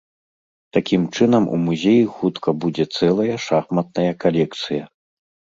Такім чынам у музеі хутка будзе цэлая шахматная калекцыя.